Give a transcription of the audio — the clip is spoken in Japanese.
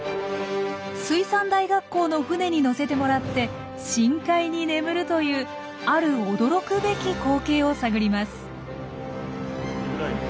水産大学校の船に乗せてもらって深海に眠るというある驚くべき光景を探ります。